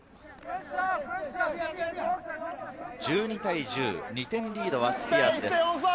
１２対１０、２点リードはスピアーズです。